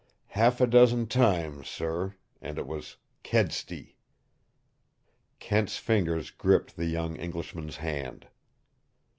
Half a dozen times, sir and it was KEDSTY!" Kent's fingers gripped the young Englishman's hand.